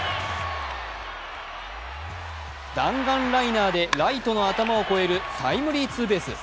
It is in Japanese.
弾丸ライナーで、ライトの頭を越えるタイムリーツーベース。